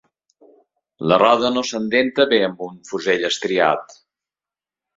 La roda no s'endenta bé amb un fusell estriat.